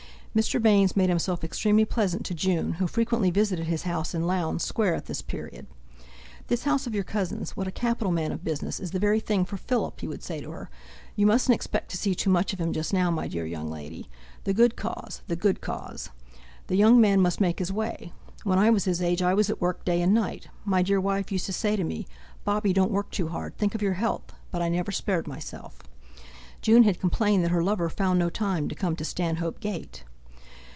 Mr. Baynes made himself extremely pleasant to June, who frequently visited his house in Lowndes Square at this period. "This house of your cousin's—what a capital man of business—is the very thing for Philip," he would say to her; "you mustn't expect to see too much of him just now, my dear young lady. The good cause—the good cause! The young man must make his way. When I was his age I was at work day and night. My dear wife used to say to me, 'Bobby, don't work too hard, think of your health'; but I never spared myself!" June had complained that her lover found no time to come to Stanhope Gate.